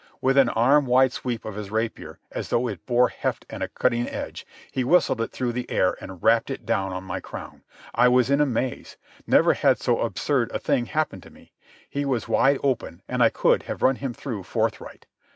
With an arm wide sweep of his rapier, as though it bore heft and a cutting edge, he whistled it through the air and rapped it down on my crown. I was in amaze. Never had so absurd a thing happened to me. He was wide open, and I could have run him through forthright.